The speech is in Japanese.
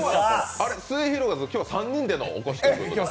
あれっ、すゑひろがりずは今日は３人でのお越しということで？